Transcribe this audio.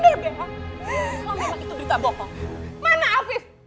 kalau besok itu berita bohong mana afif